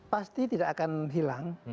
pasti tidak akan hilang